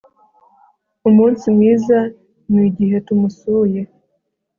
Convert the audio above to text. Umunsi mwiza nigihe tumusuye